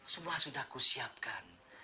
semua sudah aku siapkan